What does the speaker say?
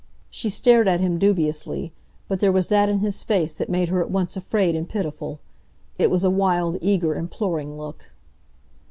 She stared at him dubiously, but there was that in his face that made her at once afraid and pitiful. It was a wild, eager, imploring look.